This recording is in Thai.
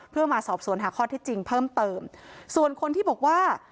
เพื่อมาสอบสวนหาข้อที่จริงเพิ่มเติมส่วนคนที่บอกว่า